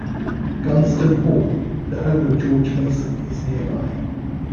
Gunston Hall, the home of George Mason is nearby.